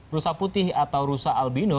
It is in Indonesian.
rusa putih atau rusa albino